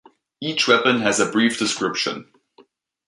Each weapon has a brief description.